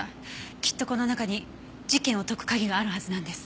きっとこの中に事件を解く鍵があるはずなんです。